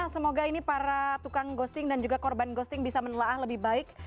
semoga ini para tukang ghosting dan juga korban ghosting bisa menelaah lebih baik